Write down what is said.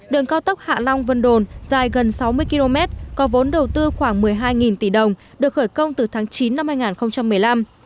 đường cao tốc hạ long vân đồn dài gần sáu mươi km có vốn đầu tư khoảng một mươi hai tỷ đồng được khởi công từ tháng chín năm hai nghìn một mươi năm